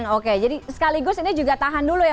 oke jadi sekaligus ini juga tahan dulu ya